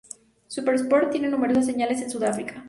SuperSport tiene numerosas señales en Sudáfrica.